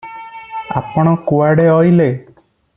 ଆପଣ କୁଆଡେ ଅଇଲେ?